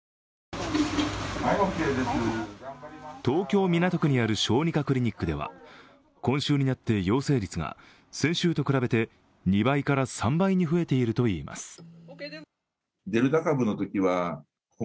東京・港区にある小児科クリニックでは今週になって陽性率が先週と比べて２倍から３倍に増えているといいます。